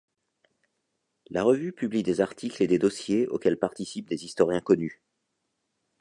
La revue publie des articles et des dossiers auxquels participent des historiens connus.